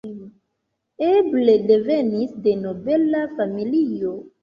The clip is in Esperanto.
Eble devenis de nobela familio.